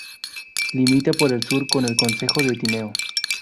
Limita por el sur con el concejo de Tineo.